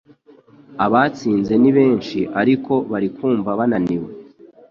Abatsinze ni benshi ariko barikumva bananiwe